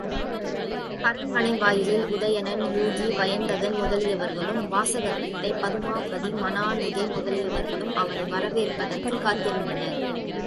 அரண்மனை வாயிலில் உதயணன், யூகி, வயந்தகன் முதலியவர்களும் வாசவதத்தை, பதுமாபதி, மானனீகை முதலியவர்களும் அவளை வரவேற்பதற்குக் காத்திருந்தனர்.